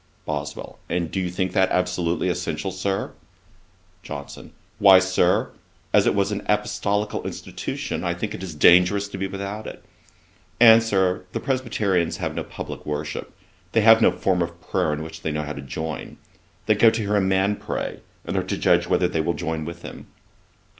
BOSWELL. 'And do you think that absolutely essential, Sir?' JOHNSON. 'Why, Sir, as it was an apostolical institution, I think it is dangerous to be without it. And, Sir, the Presbyterians have no public worship: they have no form of prayer in which they know they are to join. They go to hear a man pray, and are to judge whether they will join with him.'